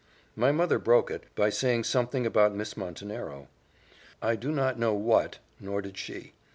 My mother broke it, by saying something about Miss Montenero. I do not know what nor did she.